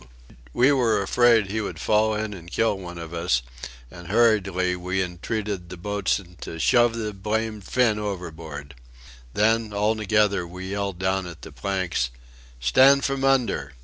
We were afraid he would fall in and kill one of us and, hurriedly, we entreated the boatswain to "shove the blamed Finn overboard." Then, all together, we yelled down at the planks: "Stand from under!